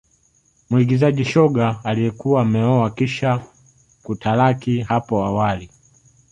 Muigizaji shoga aliyekuwa ameoa kisha kutalaki hapo awali